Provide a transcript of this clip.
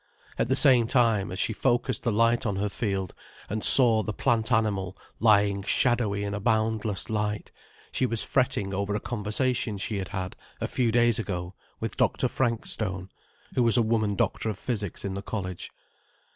At the same time, as she focused the light on her field, and saw the plant animal lying shadowy in a boundless light, she was fretting over a conversation she had had a few days ago with Dr. Frankstone, who was a woman doctor of physics in the college.